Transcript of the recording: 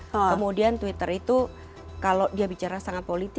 kemudian twitter itu kalau dia bicara sangat politis